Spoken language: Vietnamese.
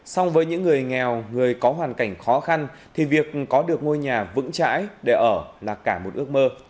xong với những người nghèo người có hoàn cảnh khó khăn thì việc có được ngôi nhà vững chãi để ở là cả một ước mơ